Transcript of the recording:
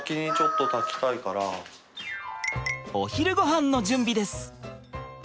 お昼ごはんの準備です。